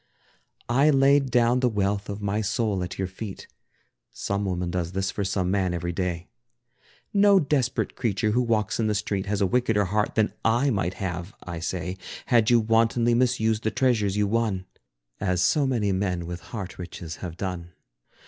I laid down the wealth of my soul at your feet (Some woman does this for some man every day). No desperate creature who walks in the street, Has a wickeder heart than I might have, I say, Had you wantonly misused the treasures you won, As so many men with heart riches have done.